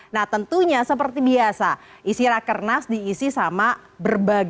nah tentunya seperti biasa isi rakernas diisi sama berbagai